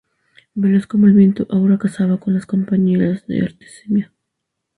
Veloz como el viento, Aura cazaba con las compañeras de Artemisa.